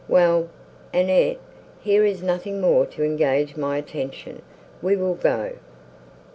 "Well, Annette, here is nothing more to engage my attention; we will go."